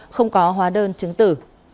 không có hóa đơn chứng tử